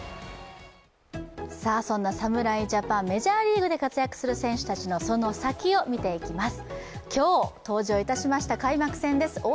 そんな侍ジャパン、メジャーリーグで活躍する選手たちのその先を見ていきます。